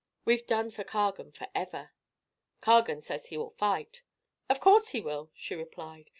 We've done for Cargan forever." "Cargan says he will fight." "Of course he will," she replied.